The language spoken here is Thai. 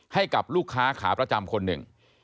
ให้กับลูกค้าขาประจำคนหนึ่ง